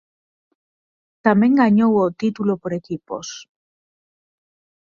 Tamén gañou o título por equipos.